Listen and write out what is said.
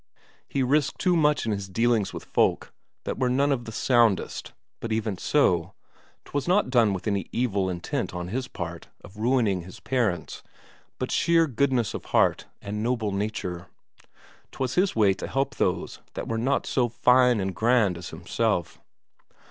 He risked too much in his dealings with folk that were none of the soundest; but even so, 'twas not done with any evil intent on his part of ruining his parents, but sheer goodness of heart and noble nature; 'twas his way to help those that were not so fine and grand as himself.